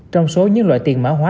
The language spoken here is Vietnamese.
trong số những loại tiền mã hóa